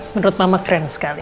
menurut mama keren sekali